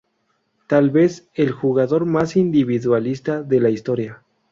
Tal vez el jugador más individualista de la historia.